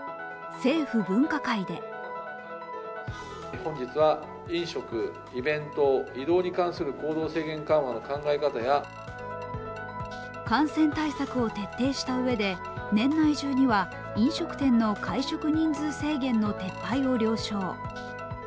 政府分科会で感染対策を徹底したうえで年内中には飲食店の会食人数制限の撤廃を了承。